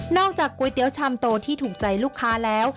จากก๋วยเตี๋ยวชามโตที่ถูกใจลูกค้าแล้ว